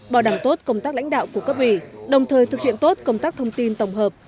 bảo đảm tốt công tác lãnh đạo của cấp ủy đồng thời thực hiện tốt công tác thông tin tổng hợp